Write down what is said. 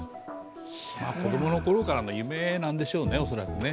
子供の頃からの夢なんでしょうね、恐らくね。